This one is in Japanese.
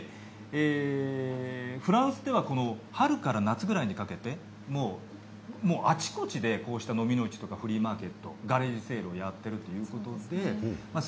フランスでは春から夏ぐらいにかけてあちこちでこうしたのみの市やフリーマーケットガレージセールをやっているということなんです。